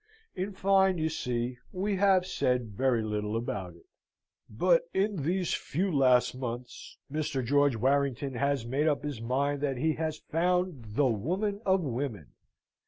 In fine, you see, we have said very little about it; but, in these few last months, Mr. George Warrington has made up his mind that he has found the woman of women.